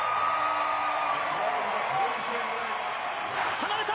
離れた！